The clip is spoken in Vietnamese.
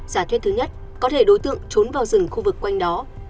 giả thuyết thứ nhất có thể đối tượng trốn vào rừng khu vực quanh đó